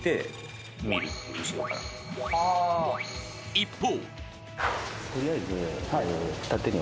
［一方］